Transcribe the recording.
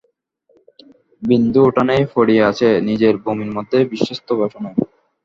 বিন্দু উঠানেই পড়িয়া আছে, নিজের বমির মধ্যে, বিস্রস্ত বসনে।